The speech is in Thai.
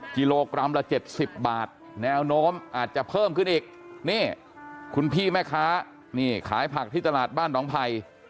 กิโลกรัมละ๗๐บาทแนวโน้มอาจจะเพิ่มขึ้นอีกนี่คุณพี่แม่ค้านี่ขายผักที่ตลาดบ้านน้องไพร